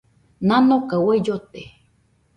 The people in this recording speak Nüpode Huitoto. Nanoka uai llote.